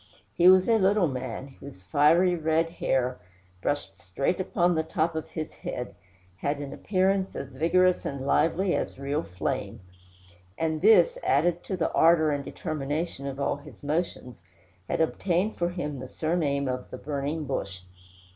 He was a little man, whose fiery red hair, brushed straight upon the top of his head, had an appearance as vigorous and lively as real flame; and this, added to the ardor and determination of all his motions, had obtained for him the surname of the "Burning Bush."